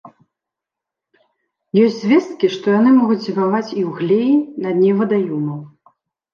Ёсць звесткі, што яны могуць зімаваць і ў глеі на дне вадаёмаў.